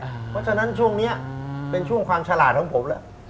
เพราะฉะนั้นช่วงนี้เป็นช่วงความฉลาดของผมแล้ว